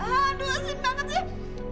aduh asin banget sih